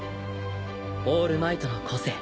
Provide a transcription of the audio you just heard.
オールマイトの個性